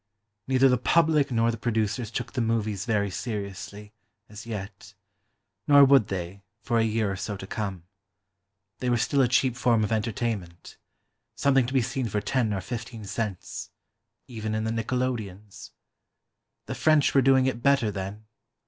Neither the public nor the producers took the "movies" very seriously, as yet ... nor would they, for a year or so to come. They were still a cheap form of entertainment; something to be seen for ten or fifteen cents—even in the nickelodeons. The French were doing it better, then.